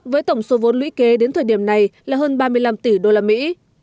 với tổng số vốn lũy kế đến thời điểm này là hơn ba mươi năm tỷ đô la mỹ